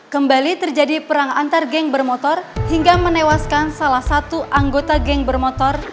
kembali terjadi perang antar geng bermotor hingga menewaskan salah satu anggota geng bermotor